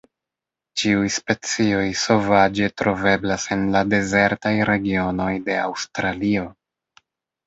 Ĉiuj specioj sovaĝe troveblas en la dezertaj regionoj de Aŭstralio.